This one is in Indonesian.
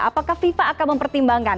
apakah fifa akan mempertimbangkan